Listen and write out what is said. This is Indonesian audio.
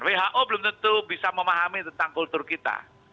who belum tentu bisa memahami tentang kultur kita